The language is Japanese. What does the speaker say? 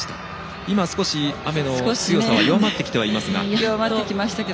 今、少し雨の強さは弱まってきていますが。